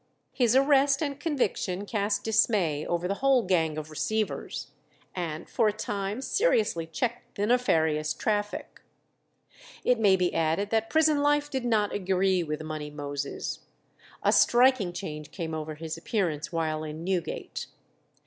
His arrest and conviction cast dismay over the whole gang of receivers, and for a time seriously checked the nefarious traffic. It may be added that prison life did not agree with "Money Moses"; a striking change came over his appearance while in Newgate.